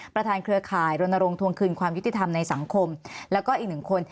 เครือข่ายรณรงควงคืนความยุติธรรมในสังคมแล้วก็อีกหนึ่งคน